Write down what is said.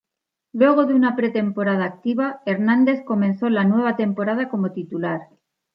Luego de una pretemporada activa, Hernández comenzó la nueva temporada como titular.